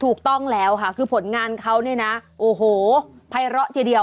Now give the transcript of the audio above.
ถูกต้องแล้วค่ะคือผลงานเขาเนี่ยนะโอ้โหไพระเฉย